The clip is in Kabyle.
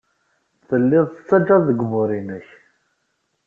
Telliḍ tettajjaḍ seg umur-nnek.